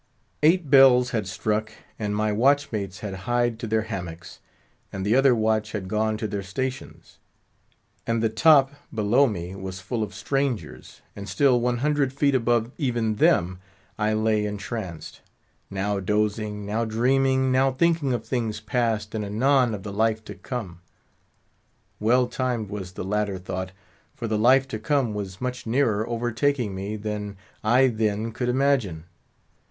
Eight bells had struck, and my watchmates had hied to their hammocks, and the other watch had gone to their stations, and the top below me was full of strangers, and still one hundred feet above even them I lay entranced; now dozing, now dreaming; now thinking of things past, and anon of the life to come. Well timed was the latter thought, for the life to come was much nearer overtaking me than I then could imagine.